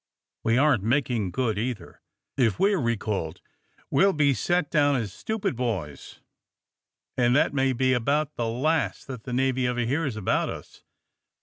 We aren't making good, either. If we're recalled we'll be set down as stupid boys, and that may be about the last that the Navy ever hears about us.